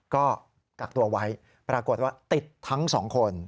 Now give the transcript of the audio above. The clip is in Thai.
ก็กักตัวไว้ปรากฏว่าติดทั้งสองคน